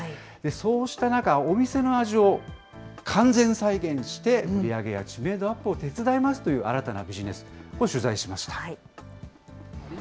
そうした中、お店の味を完全再現して、売り上げや知名度アップを手伝いますという新たなビジネスを取材しました。